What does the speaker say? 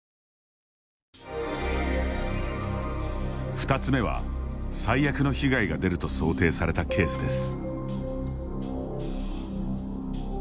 ２つめは、最悪の被害が出ると想定されたケースです。